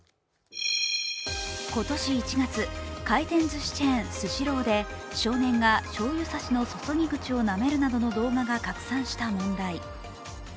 今年１月、回転ずしチェーンスシローで少年がしょうゆ差しの注ぎ口をなめるなどの動画が拡散した問題。